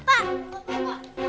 pak pak pak